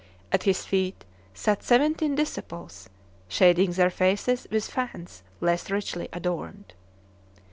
At his feet sat seventeen disciples, shading their faces with fans less richly adorned.